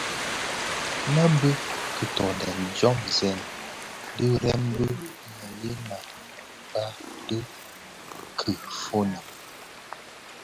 Më bi kitoňèn diomzèn di rèm bi mëyëna mëkpa dhi kifuni.